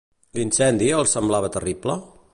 L'incendi els semblava terrible?